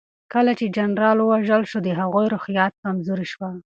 کله چې جنرال ووژل شو د هغوی روحيات کمزوري شول.